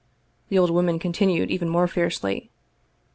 " the old woman con tinued, even more fiercely.